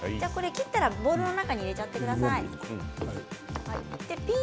切ったらボウルの中に入れてください。